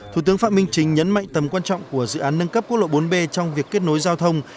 thủ tướng phạm minh chính nhấn mạnh tầm quan trọng của dự án nâng cấp quốc lộ bốn b trong việc kết nối giao thông